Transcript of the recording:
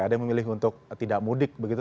ada yang memilih untuk tidak mudik begitu